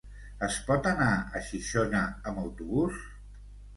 Es pot anar a Xixona amb autobús?